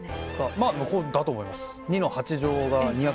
まあこうだと思います。